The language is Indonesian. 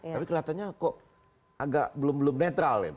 tapi kelihatannya kok agak belum belum netral